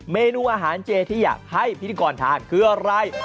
เมนูอาหารเจที่อยากให้พิธีกรทานคืออะไร